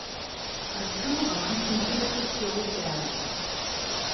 Als Kameramann fungierte Joe Berger.